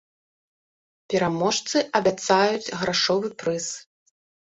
Пераможцы абяцаюць грашовы прыз.